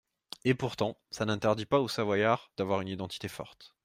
Et, pourtant, ça n’interdit pas aux Savoyards d’avoir une identité forte.